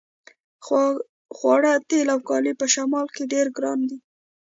خواړه تیل او کالي په شمال کې ډیر ګران دي